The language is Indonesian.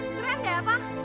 keren ya pa